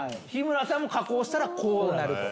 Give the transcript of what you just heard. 日村さんを加工したらこうなる。